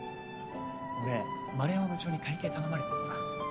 俺丸山部長に会計頼まれててさ。